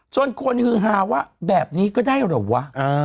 จนคนฮือฮาว่าแบบนี้ก็ได้เหรอวะ